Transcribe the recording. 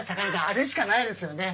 あれしかないですよね。